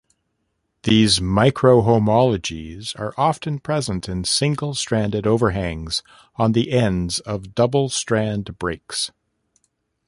These microhomologies are often present in single-stranded overhangs on the ends of double-strand breaks.